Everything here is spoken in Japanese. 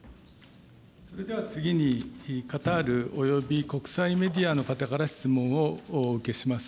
それでは次に、カタールおよび国際メディアの方から質問をお受けします。